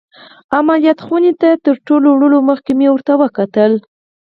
عمليات خونې ته تر وړلو مخکې مې ورته وکتل.